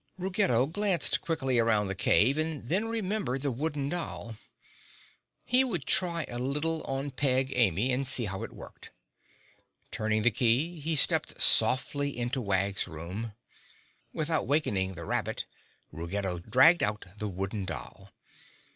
Ruggedo glanced quickly around the cave and then remembered the wooden doll. He would try a little on Peg Amy and see how it worked. Turning the key he stepped softly into Wag's room. Without wakening the rabbit, Ruggedo dragged out the wooden doll.